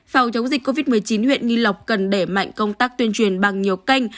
phòng chống dịch covid một mươi chín huyện nghi lộc cần đẩy mạnh công tác tuyên truyền bằng nhiều kênh